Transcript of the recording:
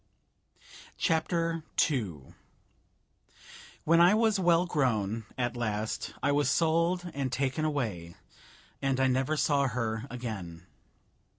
CHAPTER II When I was well grown, at last, I was sold and taken away, and I never saw her again.